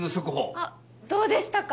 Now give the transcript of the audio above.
あっどうでしたか？